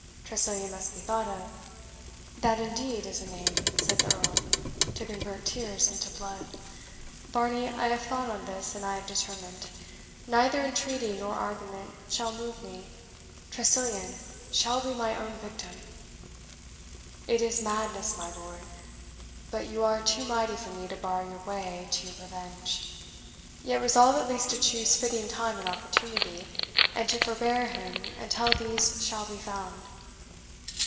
Tressilian must be thought of " "That indeed is a name," said the Earl, "to convert tears into blood. Varney, I have thought on this, and I have determined neither entreaty nor argument shall move me Tressilian shall be my own victim." "It is madness, my lord; but you are too mighty for me to bar your way to your revenge. Yet resolve at least to choose fitting time and opportunity, and to forbear him until these shall be found."